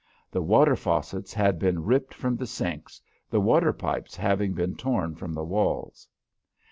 The water faucets had been ripped from the sinks, the water pipes having been torn from the walls.